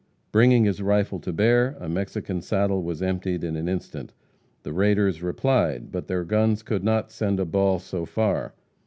Bringing his rifle to bear, a Mexican saddle was emptied in an instant. The raiders replied; but their guns would not send a ball so far.